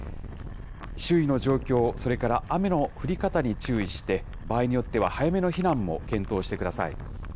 周囲の状況、それから雨の降り方に注意して、場合によっては、早めの避難も検討してください。